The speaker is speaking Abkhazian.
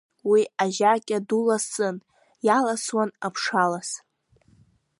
Уи ажакьа ду ласын, иаласуан аԥшалас.